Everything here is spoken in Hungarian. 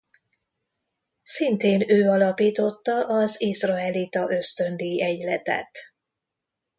Szintén ő alapította az izraelita ösztöndíj-egyletet.